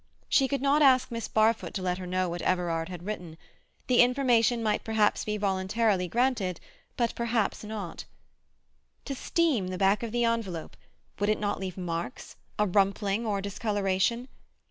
She could not ask Miss Barfoot to let her know what Everard had written. The information might perhaps be voluntarily granted; but perhaps not. To steam the back of the envelope—would it not leave marks, a rumpling or discoloration?